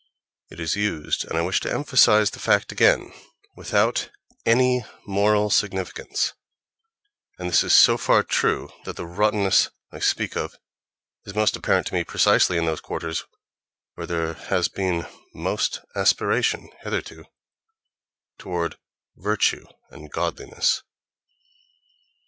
It is used—and I wish to emphasize the fact again—without any moral significance: and this is so far true that the rottenness I speak of is most apparent to me precisely in those quarters where there has been most aspiration, hitherto, toward "virtue" and "godliness."